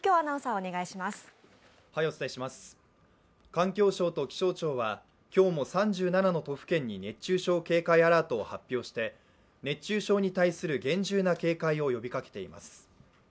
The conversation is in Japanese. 環境省と気象庁は今日も３７の都府県に、熱中症警戒アラートを発表して熱中症に対する厳重な警戒を呼びかけています。